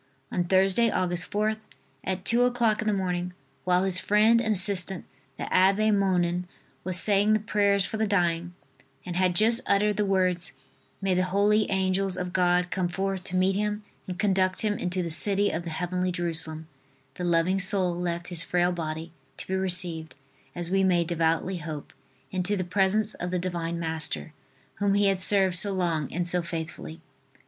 On Thursday, Aug. 4th, at two o'clock in the morning, while his friend and assistant, the Abbe Monnin, was saying the prayers for the dying and had just uttered the words: "May the holy Angels of God come forth to meet him and conduct him into the city of the Heavenly Jerusalem," the loving soul left his frail body to be received, as we may devoutly hope, into the presence of the Divine Master, whom he had served so long and so faithfully.